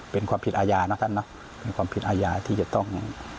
เป็นความผิดอาญานะท่านนะเป็นความผิดอาญาที่จะต้อง